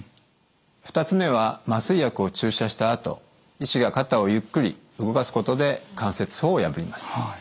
２つ目は麻酔薬を注射したあと医師が肩をゆっくり動かすことで関節包を破ります。